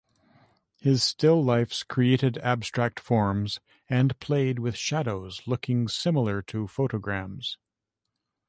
His still life's created abstract forms and played with shadows looking similar to photograms.